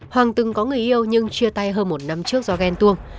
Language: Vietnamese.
hoàng từng có người yêu nhưng chia tay hơn một năm trước do ghen tuông